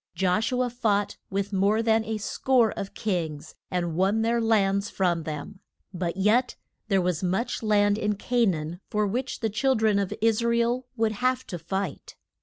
Josh u a fought with more than a score of kings and won their lands from them; but yet there was much land in Ca naan for which the chil dren of Is ra el would have to fight.